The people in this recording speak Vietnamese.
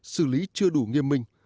xử lý chưa đủ nghiêm minh